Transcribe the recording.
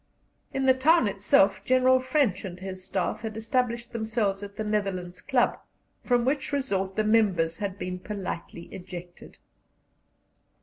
In the town itself General French and his Staff had established themselves at the Netherlands Club, from which resort the members had been politely ejected.